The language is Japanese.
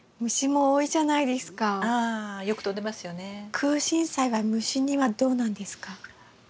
クウシンサイは虫にはどうなんですか？